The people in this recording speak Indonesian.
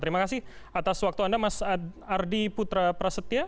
terima kasih atas waktu anda mas ardi putra prasetya